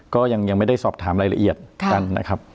ก็ยังไม่ได้สอบถามรายละเอียดกันนะครับ